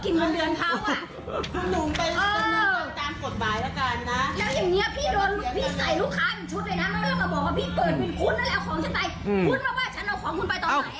คุณมาว่าฉันเอาของคุณไปตอนไหน